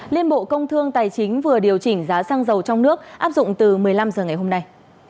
liên bộ công thương tài chính vừa điều chỉnh giá xăng dầu trong nước áp dụng từ một mươi năm h ngày hôm nay